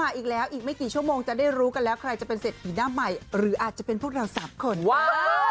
อีกแล้วอีกไม่กี่ชั่วโมงจะได้รู้กันแล้วใครจะเป็นเศรษฐีหน้าใหม่หรืออาจจะเป็นพวกเราสามคนว่า